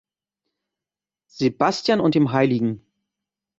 Sebastian und dem hl.